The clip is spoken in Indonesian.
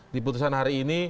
di putusan hari ini